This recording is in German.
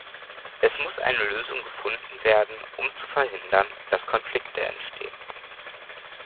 Es muss eine Lösung gefunden werden, um zu verhindern, dass Konflikte entstehen.